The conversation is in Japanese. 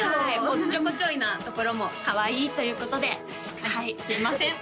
おっちょこちょいなところもかわいいということではいすいません